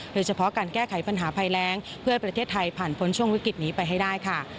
โดยเฉพาะการแก้ไขปัญหาภัยแรงเพื่อให้ประเทศไทยผ่านพ้นช่วงวิกฤตนี้ไปให้ได้ค่ะ